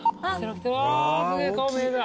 わすげぇ顔見えた。